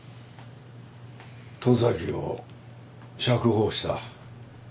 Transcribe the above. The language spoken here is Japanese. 十崎を釈放した。